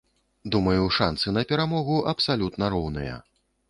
Думаю, шанцы на перамогу абсалютна роўныя.